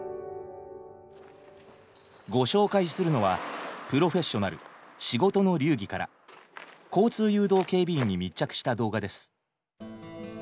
ご紹介するのは「プロフェッショナル仕事の流儀」から交通誘導警備員に密着した動画です。